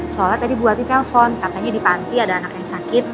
soalnya tadi buat di telpon katanya di panti ada anak yang sakit